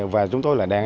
và chúng tôi là đang